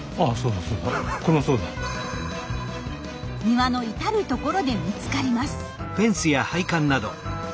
庭の至る所で見つかります。